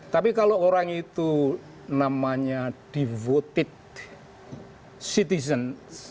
tapi kalau orang itu namanya devoted citizen